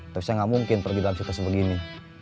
tapi saya gak mungkin pergi dalam situ sebegini